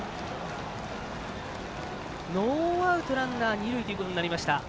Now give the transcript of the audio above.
ノーアウト、ランナー、二塁ということになりました。